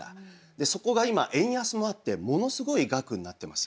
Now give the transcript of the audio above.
そこが今円安もあってものすごい額になってます。